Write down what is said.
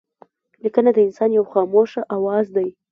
لیکنه د انسان یو خاموشه آواز دئ.